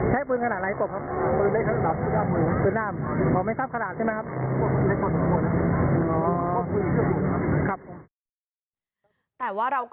แต่ว่าเราก็